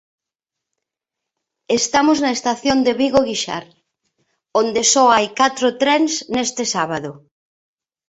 Estamos na estación de Vigo Guixar onde só hai catro trens neste sábado.